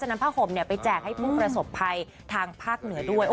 นำผ้าห่มไปแจกให้ผู้ประสบภัยทางภาคเหนือด้วย